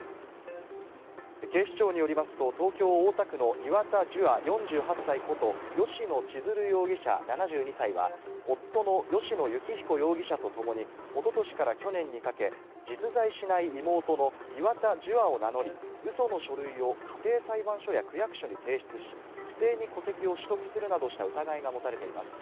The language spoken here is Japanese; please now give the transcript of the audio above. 警視庁によりますと、東京・大田区の岩田樹亞４８歳こと吉野千鶴容疑者７２歳は、夫の吉野幸彦容疑者と共に、おととしから去年にかけ、実在しない妹の岩田樹亞を名乗り、うその書類を家庭裁判所や区役所に提出し、不正に戸籍を取得するなどした疑いが持たれています。